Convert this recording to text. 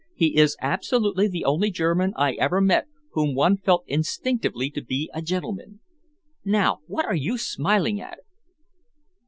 He is absolutely the only German I ever met whom one felt instinctively to be a gentleman. Now what are you smiling at?"